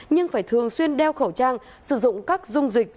nhưng phải thường xuyên đeo khẩu trang sử dụng các dung dịch